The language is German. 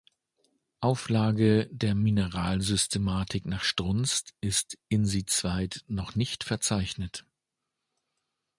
Auflage der Mineralsystematik nach Strunz ist Insizwait noch nicht verzeichnet.